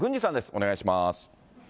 お願いします。